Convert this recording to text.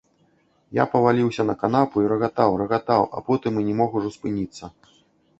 Я паваліўся на канапу і рагатаў, рагатаў, а потым і не мог ужо спыніцца.